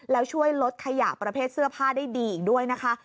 แล้วช่วยลดขยะประเภทเสื้อผ้าได้ดีอีกด้วยนะคะ